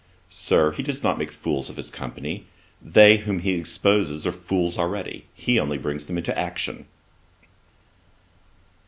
Sir, he does not make fools of his company; they whom he exposes are fools already: he only brings them into action.'